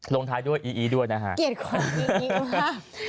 ลงท้ายด้วยอีอีด้วยนะฮะเกียรติของอีอีด้วยครับ